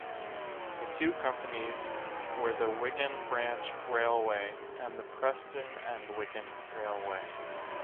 The two companies were the Wigan Branch Railway and the Preston and Wigan Railway.